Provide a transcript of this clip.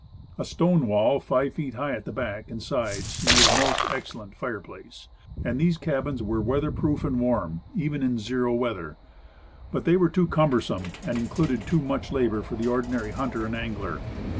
A stone wall five feet high at back and sides made a most excellent fire place; and these cabins were weather proof and warm, even in zero weather. But, they were too cumbersome, and included too much labor for the ordinary hunter and angler.